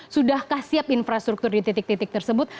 sudahkah siap infrastruktur di titik titik tersebut